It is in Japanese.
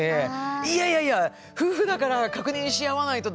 いやいやいや夫婦だから確認し合わないとダメですよって。